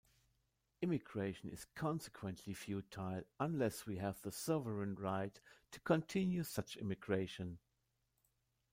Immigration is consequently futile unless we have the sovereign right to continue such immigration.